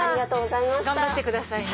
頑張ってくださいね。